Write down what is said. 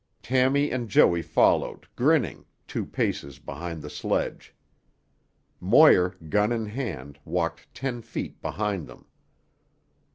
Tammy and Joey followed, grinning, two paces behind the sledge. Moir, gun in hand, walked ten feet behind them.